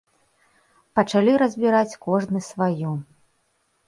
Пачалі разбіраць кожны сваю.